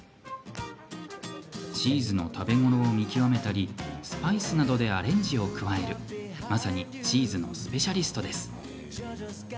チーズの食べ頃を見極めたりスパイスなどでアレンジを加えるまさにチーズのスペシャリストです。